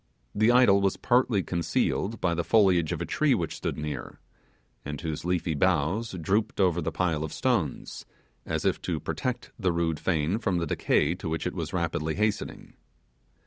The idol was partly concealed by the foliage of a tree which stood near, and whose leafy boughs drooped over the pile of stones, as if to protect the rude fane from the decay to which it was rapidly hastening.